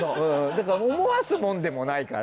思わすもんでもないから。